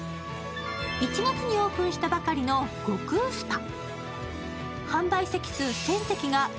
１月にオープンしたばかりの悟空ＳＰＡ。